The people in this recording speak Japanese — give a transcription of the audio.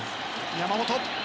山本。